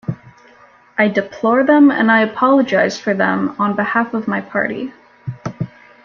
I deplore them and I apologise for them on behalf of my party.